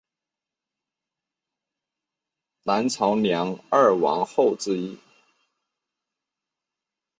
南朝梁二王后之一。